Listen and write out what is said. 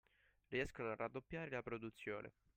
Riescono a raddoppiare la produzione